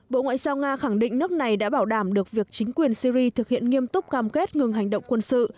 bộ ngoại giao nga khẳng định nước này đã bảo đảm được việc chính quyền syri thực hiện nghiêm túc cam kết ngừng hành động quân sự